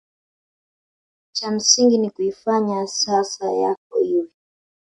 cha msingi ni kuifanya sasa yako iwe